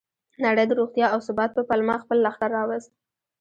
نړۍ د روغتیا او ثبات په پلمه خپل لښکر راوست.